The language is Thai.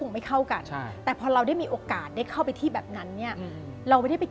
แบบโดยภาพและโดย